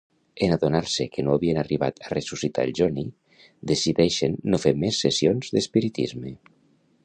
En adonar-se que no havien arribat a ressuscitar el Johnny, decideixen no fer més sessions d'espiritisme.